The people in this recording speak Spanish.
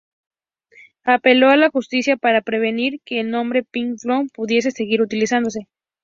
Apeló a la justicia para prevenir que el nombre "Pink Floyd" pudiese seguir utilizándose.